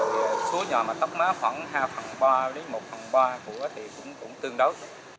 rồi số nhòa mà tóc má khoảng hai phần ba đến một phần ba của nó thì cũng tương đấu